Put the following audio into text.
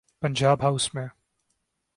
Punjab house میں۔